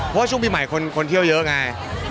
เพราะว่าช่วงปีใหม่คนเที่ยวเยอะไง